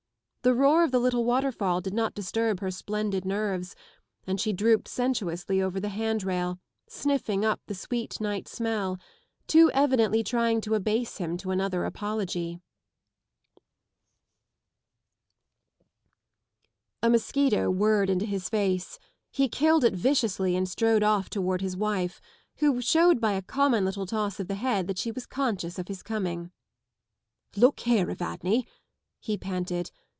The roar of the little waterfall did not disturb her splendid nerves and she drooped sensuously over the hand rail, sniffing up the sweet night smell ; too evidently trying to abase him to another apology. A mosquito Whirred into his face. He killed it viciously and strode off towards his wife, who showed by a common little toss of the head that she was conscious oft his coming. Look here, Evadne! " he panted.